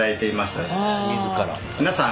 皆さん